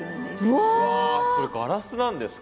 うわそれガラスなんですか？